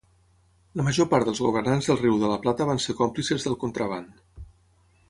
La major part dels governants del Riu de la Plata van ser còmplices del contraban.